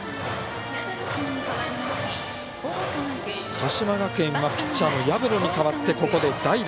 鹿島学園はピッチャーの薮野に代わって代打。